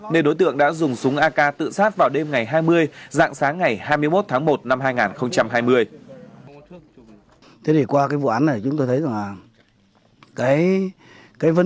nên đối tượng đã dùng súng ak tự sát vào đêm ngày hai mươi dạng sáng ngày hai mươi một tháng một năm hai nghìn hai mươi